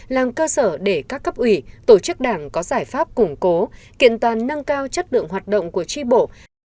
làm cơ sở để các cấp ủy tổ chức đảng có giải pháp củng cố kiện toàn nâng cao chất lượng hoạt động của tri bộ